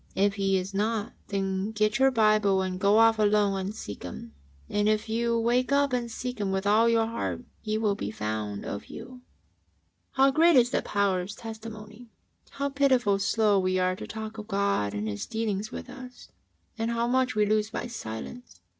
If He is not, then get your Bible and go off alone and seek Him, and if you wake up and seek Him with all your heart, He will be found of you. " How great is the power of Testimony I How pitifully slow we are to talk of God and His dealings with us, and how much we lose by silence